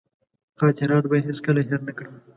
خاطرات به یې هېڅکله هېر نه کړم.